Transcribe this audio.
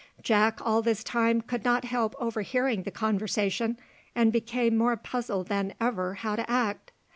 Jack all this time could not help overhearing the conversation, and became more puzzled than ever how to act.